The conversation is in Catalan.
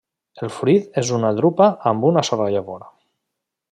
El fruit és una drupa amb una sola llavor.